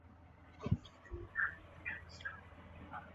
虚拟地址的实体地址。